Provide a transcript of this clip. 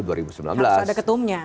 harus ada ketumnya